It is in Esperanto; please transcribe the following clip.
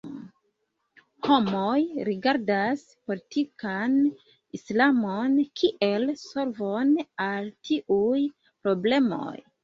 Homoj rigardas politikan Islamon kiel solvon al tiuj problemoj.